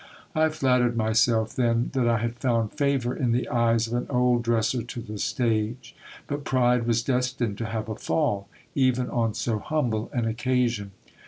I flattered myself then, that I had found favour in the eyes of an old dresser to the stage : but pride was destined to have a fall, even on so humble an occasion.